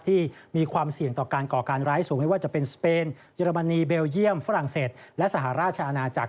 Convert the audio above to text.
ที่มีความเสี่ยงต่อการก่อการร้ายสูงไม่ว่าจะเป็นสเปนเยอรมนีเบลเยี่ยมฝรั่งเศสและสหราชอาณาจักร